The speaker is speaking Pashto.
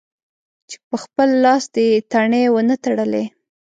چې په خپل لاس دې تڼۍ و نه تړلې.